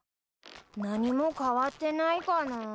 何も変わってないかなぁ。